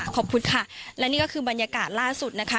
ขอบคุณค่ะและนี่ก็คือบรรยากาศล่าสุดนะคะ